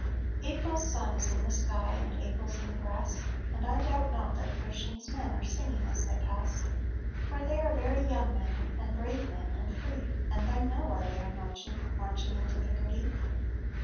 April's sun is in the sky and April's in the grass And I doubt not that Pershing's men are singing as they pass For they are very young men, and brave men, and free, And they know why they are marching, marching into Picardy.